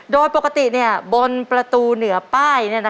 โดยปกติบนประตูเหนือป้าย